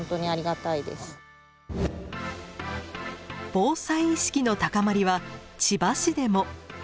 防災意識の高まりは千葉市でも。